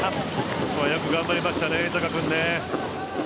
ここはよく頑張りましたね井坂君ね。